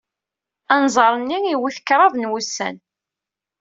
Anẓar-nni iwet kraḍ n wussan.